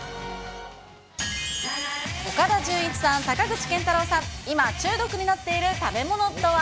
岡田准一さん、坂口健太郎さん、今、中毒になっている食べ物とは。